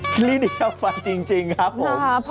คลินิกทำฟันจริงครับผม